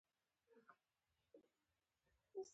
زما پلار په کور کښي دئ.